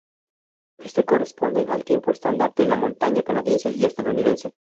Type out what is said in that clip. Este corresponde al Tiempo Estándar de la Montaña canadiense y estadounidense.